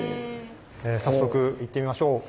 早速行ってみましょう。